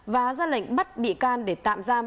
và ra lệnh bắt bị can để tạm giam